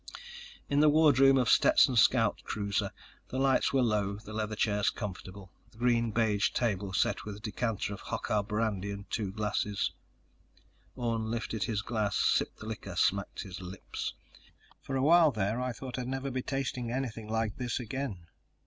In the wardroom of Stetson's scout cruiser, the lights were low, the leather chairs comfortable, the green beige table set with a decanter of Hochar brandy and two glasses. Orne lifted his glass, sipped the liquor, smacked his lips. "For a while there, I thought I'd never be tasting anything like this again."